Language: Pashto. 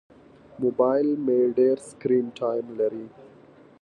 موبایل مې ډېر سکرین ټایم لري.